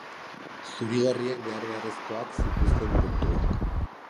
Zuri-gorriek behar-beharrezkoak zituzten puntuak.